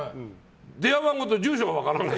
電話番号と住所が分からない。